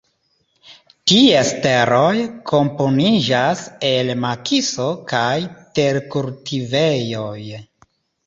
Ties teroj komponiĝas el makiso kaj terkultivejoj.